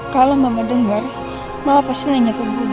kalau mama dengar mama pasti nanya ke gue